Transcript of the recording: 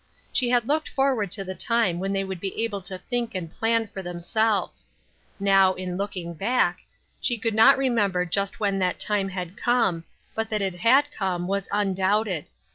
She had looked forward to the time when they 22 PLANTS THAT HAD BLOSSOMED. would be able to think and plan for themselves. Now, in looking back, she could not remember just when that time had come, but that it had come, was undoubted.